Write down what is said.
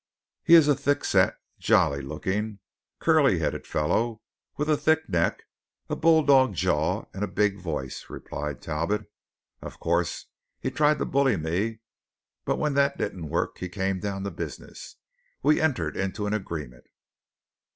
"He is a thickset, jolly looking, curly headed fellow, with a thick neck, a bulldog jaw, and a big voice," replied Talbot. "Of course he tried to bully me, but when that didn't work, he came down to business. We entered into an agreement.